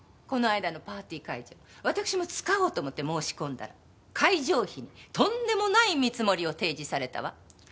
この間のパーティー会場わたくしも使おうと思って申し込んだら会場費にとんでもない見積もりを提示されたわ。